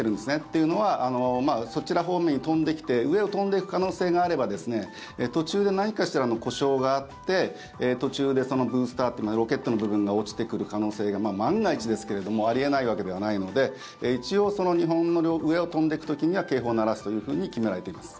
というのはそちら方面に飛んできて上を飛んでいく可能性があれば途中で何かしらの故障があって途中で、ブースターというロケットの部分が落ちてくる可能性が万が一ですけれどもあり得ないわけではないので一応日本の上を飛んでいく時には警報を鳴らすというふうに決められています。